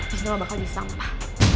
jisnya lo bakal disampah